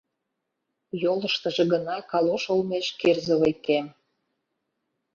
Йолыштыжо гына калош олмеш кирзовый кем.